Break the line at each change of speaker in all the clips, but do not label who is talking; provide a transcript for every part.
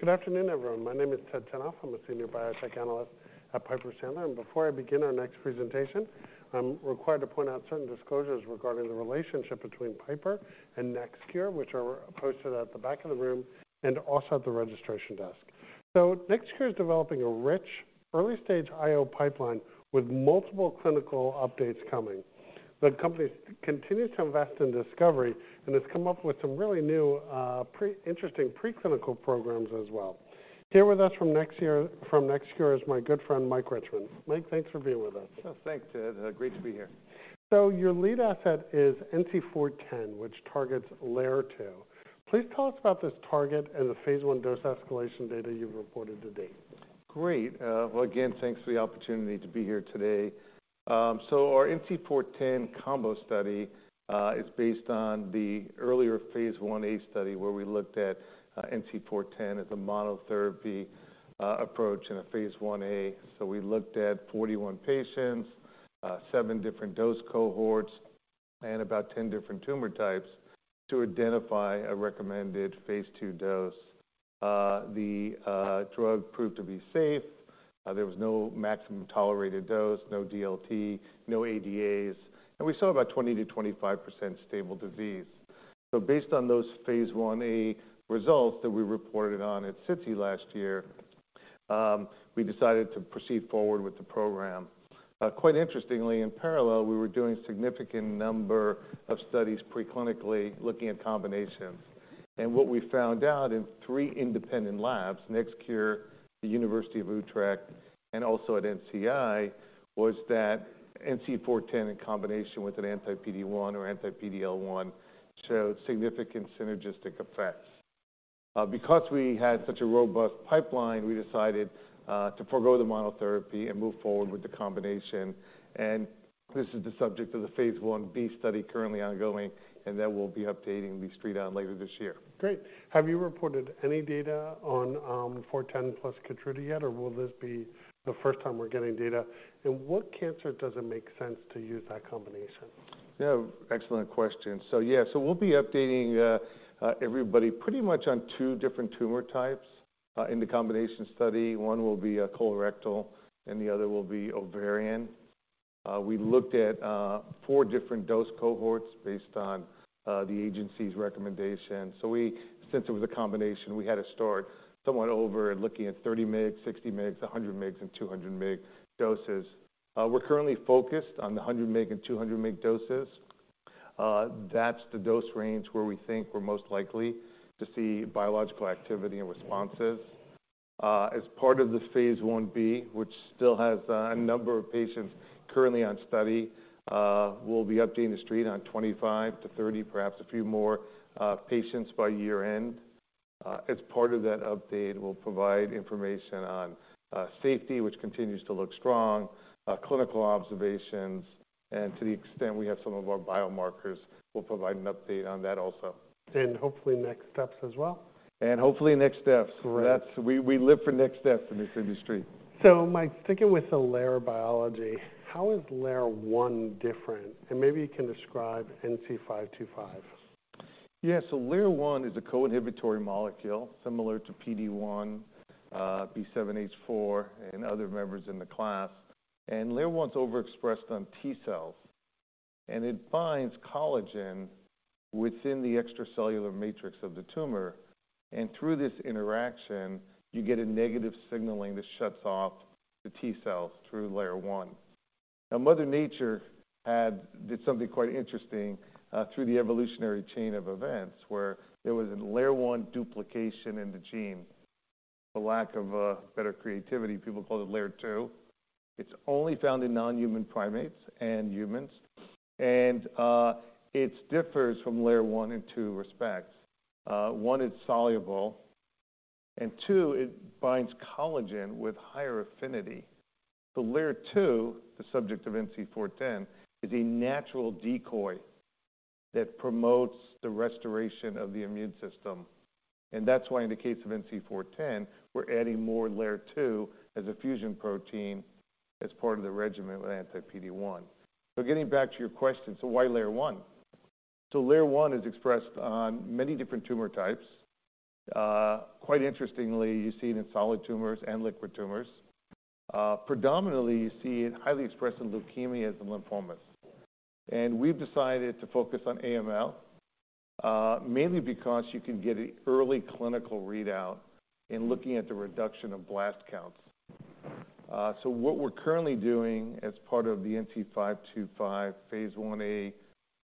Good afternoon, everyone. My name is Ted Tenthoff. I'm a senior biotech analyst at Piper Sandler, and before I begin our next presentation, I'm required to point out certain disclosures regarding the relationship between Piper and NextCure, which are posted at the back of the room and also at the registration desk. So NextCure is developing a rich, early-stage IO pipeline with multiple clinical updates coming. The company continues to invest in discovery and has come up with some really new, interesting preclinical programs as well. Here with us from NextCure is my good friend, Mike Richman. Mike, thanks for being with us.
Oh, thanks, Ted. Great to be here.
So your lead asset is NC410, which targets LAIR-2. Please tell us about this target and the phase 1 dose escalation data you've reported to date.
Great. Well, again, thanks for the opportunity to be here today. So our NC410 combo study is based on the earlier phase 1a study, where we looked at NC410 as a monotherapy approach in a phase 1a. So we looked at 41 patients, seven different dose cohorts, and about 10 different tumor types to identify a recommended phase 2 dose. The drug proved to be safe. There was no maximum tolerated dose, no DLT, no ADAs, and we saw about 20%-25% stable disease. So based on those phase 1a results that we reported on at SITC last year, we decided to proceed forward with the program. Quite interestingly, in parallel, we were doing a significant number of studies preclinically looking at combinations. What we found out in three independent labs, NextCure, the University of Utrecht, and also at NCI, was that NC410 in combination with an anti-PD-1 or anti-PD-L1, showed significant synergistic effects. Because we had such a robust pipeline, we decided to forgo the monotherapy and move forward with the combination, and this is the subject of the phase 1b study currently ongoing, and that we'll be updating the Street on later this year.
Great. Have you reported any data on NC410 plus Keytruda yet, or will this be the first time we're getting data? And what cancer does it make sense to use that combination?
Yeah, excellent question. So yeah, so we'll be updating everybody pretty much on two different tumor types in the combination study. One will be colorectal and the other will be ovarian. We looked at four different dose cohorts based on the agency's recommendation. Since it was a combination, we had to start somewhat over, looking at 30 mg, 60 mg, 100 mg, and 200 mg doses. We're currently focused on the 100 mg and 200 mg doses. That's the dose range where we think we're most likely to see biological activity and responses. As part of the phase 1b, which still has a number of patients currently on study, we'll be updating the street on 25-30, perhaps a few more, patients by year-end. As part of that update, we'll provide information on safety, which continues to look strong, clinical observations, and to the extent we have some of our biomarkers, we'll provide an update on that also.
Hopefully, next steps as well?
Hopefully, next steps.
Great.
We live for next steps in this industry.
Mike, sticking with the LAIR biology, how is LAIR-1 different? Maybe you can describe NC525.
Yeah. So LAIR-1 is a co-inhibitory molecule similar to PD-1, B7-H4, and other members in the class. And LAIR-1's overexpressed on T cells, and it binds collagen within the extracellular matrix of the tumor, and through this interaction, you get a negative signaling that shuts off the T cells through LAIR-1. Now, Mother Nature had something quite interesting through the evolutionary chain of events, where there was a LAIR-1 duplication in the gene. The lack of a better creativity, people call it LAIR-2. It's only found in non-human primates and humans, and it differs from LAIR-1 in two respects. One, it's soluble, and two, it binds collagen with higher affinity. So LAIR-2, the subject of NC410, is a natural decoy that promotes the restoration of the immune system, and that's why in the case of NC410, we're adding more LAIR-2 as a fusion protein as part of the regimen with anti-PD-1. So getting back to your question, so why LAIR-1? So LAIR-1 is expressed on many different tumor types. Quite interestingly, you see it in solid tumors and liquid tumors. Predominantly, you see it highly expressed in leukemias and lymphomas. And we've decided to focus on AML, mainly because you can get an early clinical readout in looking at the reduction of blast counts. So what we're currently doing as part of the NC525 phase 1a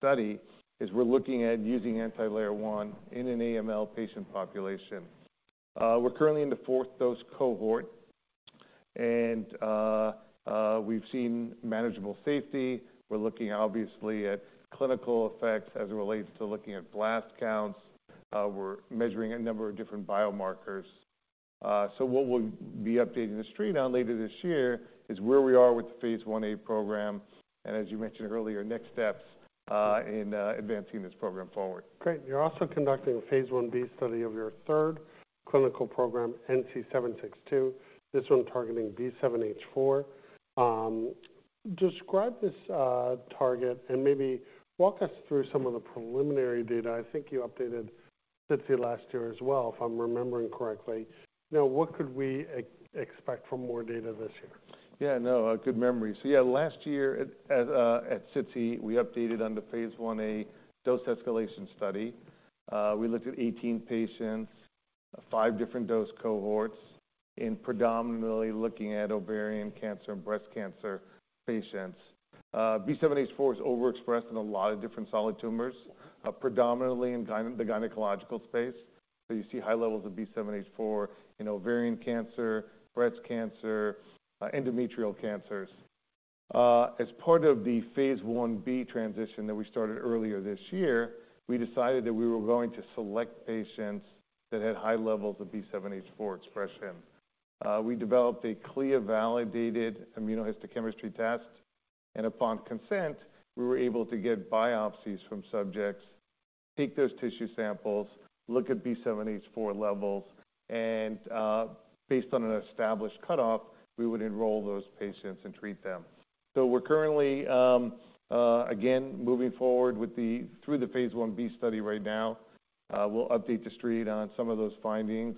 study is we're looking at using anti-LAIR-1 in an AML patient population. We're currently in the fourth dose cohort and we've seen manageable safety. We're looking obviously at clinical effects as it relates to looking at blast counts. We're measuring a number of different biomarkers. So what we'll be updating the street on later this year is where we are with the Phase 1a program, and as you mentioned earlier, next steps in advancing this program forward.
Great. You're also conducting Phase 1b study of your third clinical program, NC762, this one targeting B7-H4. Describe this target and maybe walk us through some of the preliminary data. I think you updated SITC last year as well, if I'm remembering correctly. Now, what could we expect from more data this year?...
Yeah, no, good memory. So yeah, last year at SITC, we updated on the phase 1a dose-escalation study. We looked at 18 patients, 5 different dose cohorts, in predominantly looking at ovarian cancer and breast cancer patients. B7-H4 is overexpressed in a lot of different solid tumors, predominantly in the gynecological space. So you see high levels of B7-H4 in ovarian cancer, breast cancer, endometrial cancers. As part of the phase 1b transition that we started earlier this year, we decided that we were going to select patients that had high levels of B7-H4 expression. We developed a clear, validated immunohistochemistry test, and upon consent, we were able to get biopsies from subjects, take those tissue samples, look at B7-H4 levels, and based on an established cutoff, we would enroll those patients and treat them. So we're currently, again, moving forward through the phase 1b study right now. We'll update the street on some of those findings.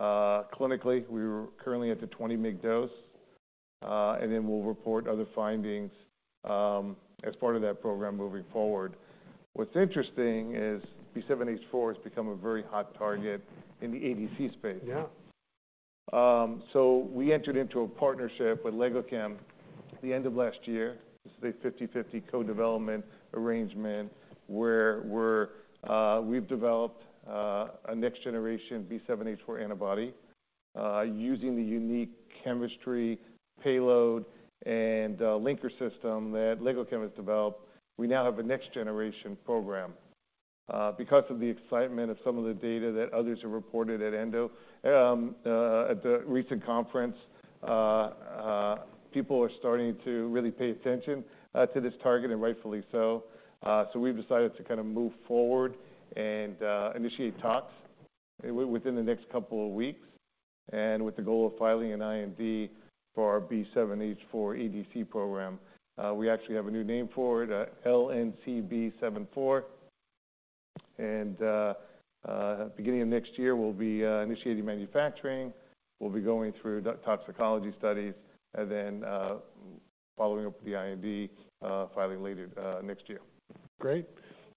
Clinically, we're currently at the 20 mg dose, and then we'll report other findings, as part of that program moving forward. What's interesting is B7-H4 has become a very hot target in the ADC space.
Yeah.
So we entered into a partnership with LegoChem at the end of last year. It's a 50/50 co-development arrangement, where we've developed a next-generation B7-H4 antibody. Using the unique chemistry, payload, and linker system that LegoChem has developed, we now have a next-generation program. Because of the excitement of some of the data that others have reported at ESMO at the recent conference, people are starting to really pay attention to this target, and rightfully so. So we've decided to kind of move forward and initiate talks within the next couple of weeks, and with the goal of filing an IND for our B7-H4 ADC program. We actually have a new name for it, LNCB74. Beginning of next year, we'll be initiating manufacturing. We'll be going through toxicology studies and then, following up with the IND filing later next year.
Great.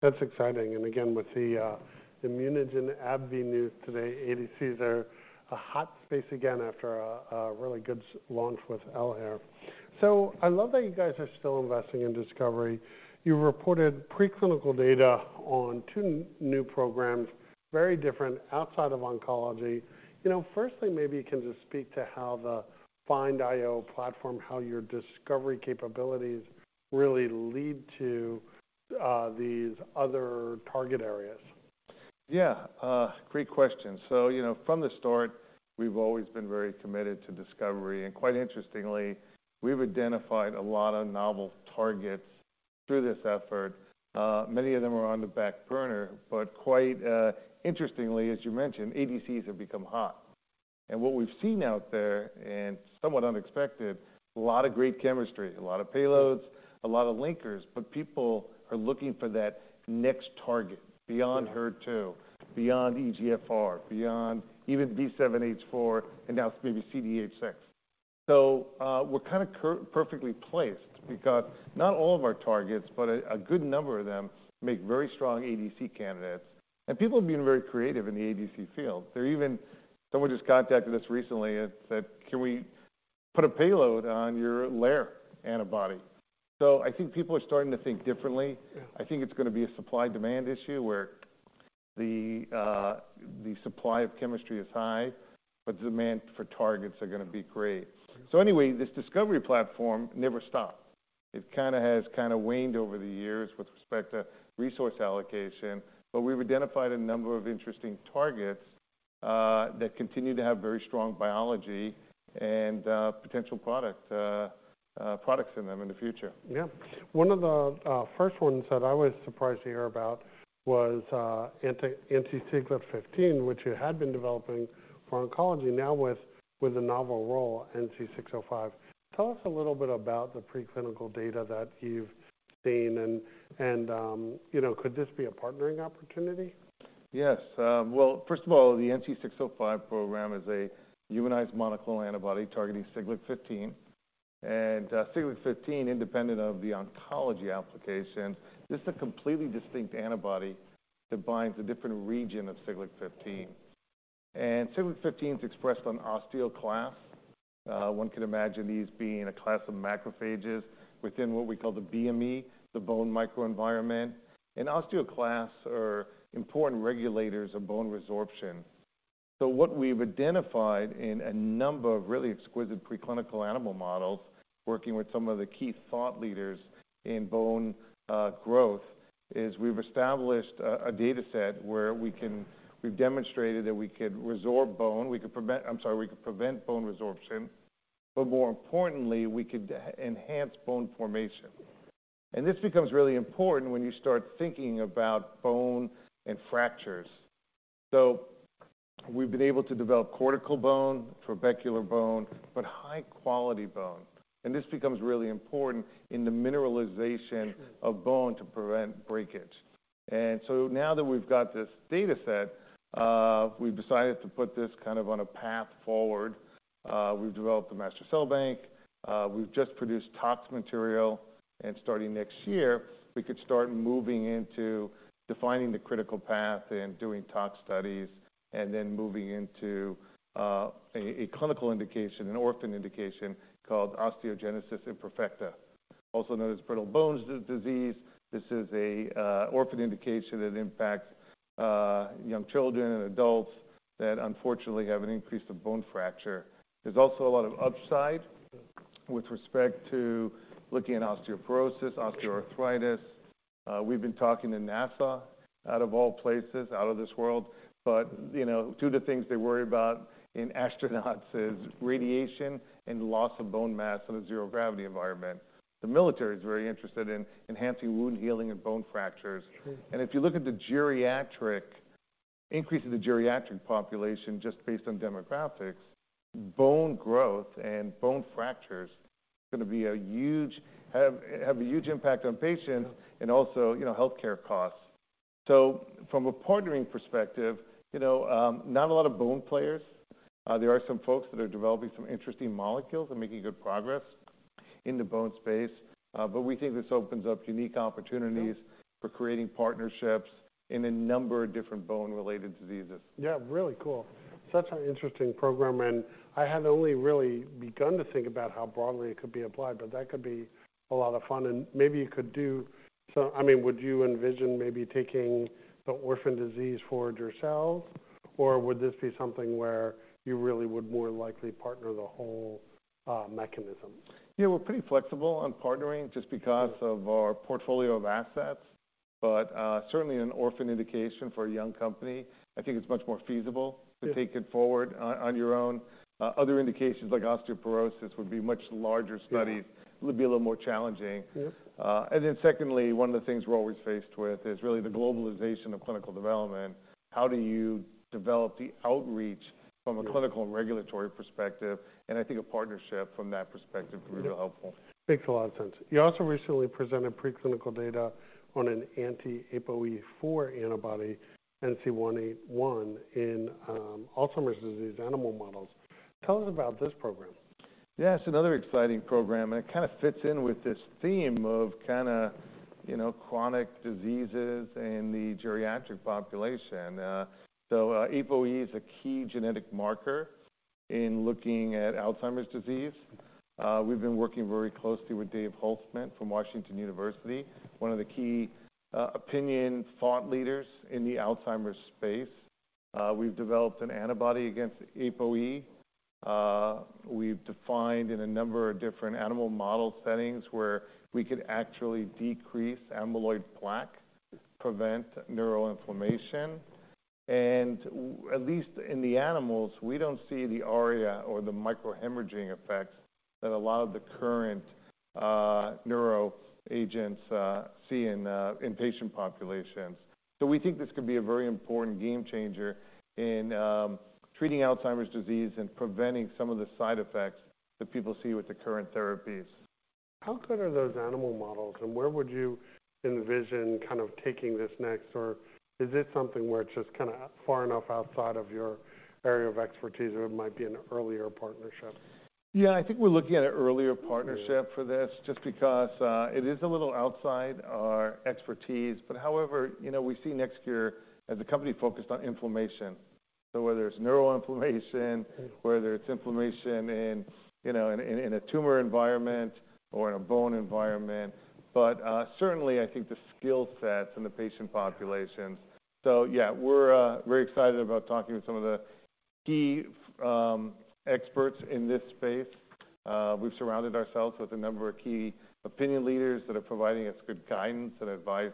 That's exciting, and again, with the ImmunoGen/AbbVie news today, ADCs are a hot space again after a really good launch with Enhertu. So I love that you guys are still investing in discovery. You reported preclinical data on two new programs, very different, outside of oncology. You know, firstly, maybe you can just speak to how the FIND-IO platform, how your discovery capabilities really lead to these other target areas.
Yeah, great question. So, you know, from the start, we've always been very committed to discovery, and quite interestingly, we've identified a lot of novel targets through this effort. Many of them are on the back burner, but quite interestingly, as you mentioned, ADCs have become hot. And what we've seen out there, and somewhat unexpected, a lot of great chemistry, a lot of payloads, a lot of linkers, but people are looking for that next target beyond HER2, beyond EGFR, beyond even B7-H4, and now it's maybe CDH6. So, we're kind of perfectly placed because not all of our targets, but a good number of them, make very strong ADC candidates. And people have been very creative in the ADC field. They're even... Someone just contacted us recently and said: "Can we put a payload on your LAIR antibody?" So I think people are starting to think differently.
Yeah..
I think it's gonna be a supply/demand issue, where the supply of chemistry is high, but demand for targets are gonna be great.
Mm-hmm.
So anyway, this discovery platform never stopped. It kinda has kinda waned over the years with respect to resource allocation, but we've identified a number of interesting targets that continue to have very strong biology and potential product products in them in the future.
Yeah. One of the first ones that I was surprised to hear about was anti-Siglec-15, which you had been developing for oncology, now with a novel role, NC605. Tell us a little bit about the preclinical data that you've seen, and you know, could this be a partnering opportunity?
Yes. Well, first of all, the NC605 program is a humanized monoclonal antibody targeting Siglec-15. And, Siglec-15, independent of the oncology application, this is a completely distinct antibody that binds a different region of Siglec-15. And Siglec-15 is expressed on osteoclasts. One can imagine these being a class of macrophages within what we call the BME, the bone microenvironment. And osteoclasts are important regulators of bone resorption. So what we've identified in a number of really exquisite preclinical animal models, working with some of the key thought leaders in bone growth, is we've established a data set where we've demonstrated that we could resorb bone, we could prevent... I'm sorry, we could prevent bone resorption, but more importantly, we could enhance bone formation. And this becomes really important when you start thinking about bone and fractures. So we've been able to develop cortical bone, trabecular bone, but high-quality bone, and this becomes really important in the mineralization.
Sure...
of bone to prevent breakage. And so now that we've got this data set, we've decided to put this kind of on a path forward. We've developed a master cell bank. We've just produced tox material, and starting next year, we could start moving into defining the critical path and doing tox studies, and then moving into a clinical indication, an orphan indication called osteogenesis imperfecta, also known as brittle bone disease. This is an orphan indication that impacts young children and adults that unfortunately have an increase of bone fracture. There's also a lot of upside with respect to looking at osteoporosis, osteoarthritis. We've been talking to NASA, out of all places, out of this world, but, you know, two of the things they worry about in astronauts is radiation and loss of bone mass in a zero-gravity environment. The military is very interested in enhancing wound healing and bone fractures.
True.
If you look at the increase in the geriatric population, just based on demographics, bone growth and bone fractures is gonna have a huge impact on patients.
Yeah.
And also, you know, healthcare costs. So from a partnering perspective, you know, not a lot of bone players. There are some folks that are developing some interesting molecules and making good progress in the bone space, but we think this opens up unique opportunities-
Yeah.
for creating partnerships in a number of different bone-related diseases.
Yeah, really cool. Such an interesting program, and I have only really begun to think about how broadly it could be applied, but that could be a lot of fun, and maybe you could do.... So, I mean, would you envision maybe taking the orphan disease forward yourself, or would this be something where you really would more likely partner the whole mechanism?
Yeah, we're pretty flexible on partnering just because of our portfolio of assets, but certainly an orphan indication for a young company. I think it's much more feasible-
Yeah
- to take it forward on your own. Other indications, like osteoporosis, would be much larger studies.
Yeah.
It would be a little more challenging.
Yep.
And then secondly, one of the things we're always faced with is really the globalization of clinical development. How do you develop the outreach from a-
Yeah
clinical and regulatory perspective? And I think a partnership from that perspective can be helpful.
Makes a lot of sense. You also recently presented preclinical data on an anti-APOE4 antibody, NC181, in Alzheimer's disease animal models. Tell us about this program.
Yeah, it's another exciting program, and it kind of fits in with this theme of kinda, you know, chronic diseases in the geriatric population. So, APOE is a key genetic marker in looking at Alzheimer's disease. We've been working very closely with Dave Holtzman from Washington University, one of the key opinion thought leaders in the Alzheimer's space. We've developed an antibody against APOE. We've defined in a number of different animal model settings where we could actually decrease amyloid plaque, prevent neural inflammation, and at least in the animals, we don't see the ARIA or the microhemorrhaging effects that a lot of the current neuro agents see in patient populations. So we think this could be a very important game changer in treating Alzheimer's disease and preventing some of the side effects that people see with the current therapies.
How good are those animal models, and where would you envision kind of taking this next, or is this something where it's just kind of far enough outside of your area of expertise, or it might be an earlier partnership?
Yeah, I think we're looking at an earlier partnership-
Yeah
For this, just because it is a little outside our expertise. But however, you know, we see NextCure as a company focused on inflammation. So whether it's neural inflammation, whether it's inflammation in, you know, in a tumor environment or in a bone environment, but certainly, I think the skill sets and the patient populations. So yeah, we're very excited about talking with some of the key experts in this space. We've surrounded ourselves with a number of key opinion leaders that are providing us good guidance and advice,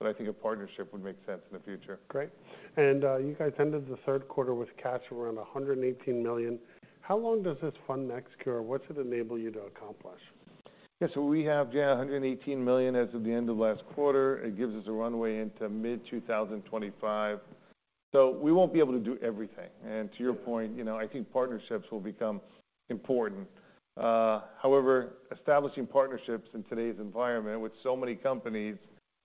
but I think a partnership would make sense in the future.
Great. And, you guys ended the third quarter with cash around $118 million. How long does this fund NextCure? What's it enable you to accomplish?
Yeah, so we have, yeah, $118 million as of the end of last quarter. It gives us a runway into mid-2025. So we won't be able to do everything, and to your point-
Yeah....
you know, I think partnerships will become important. However, establishing partnerships in today's environment with so many companies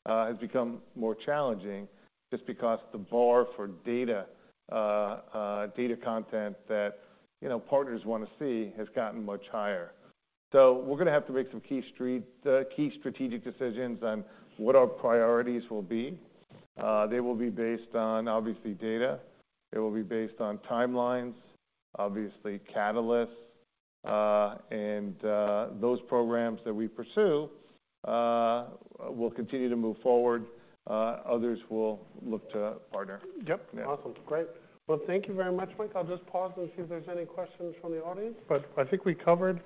has become more challenging, just because the bar for data content that, you know, partners want to see, has gotten much higher. So we're gonna have to make some key strategic decisions on what our priorities will be. They will be based on, obviously, data. They will be based on timelines, obviously, catalysts, and those programs that we pursue will continue to move forward, others we'll look to partner.
Yep.
Yeah.
Awesome. Great. Well, thank you very much, Mike. I'll just pause and see if there's any questions from the audience, but I think we covered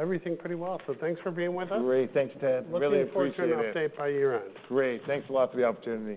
everything pretty well. So thanks for being with us.
Great. Thanks, Ted. Really appreciate it.
Looking forward to an update by year-end.
Great. Thanks a lot for the opportunity.